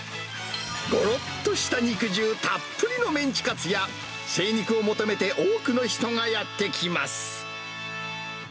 ごろっとした肉汁たっぷりのメンチカツや、精肉を求めて多くの人がやって来ます。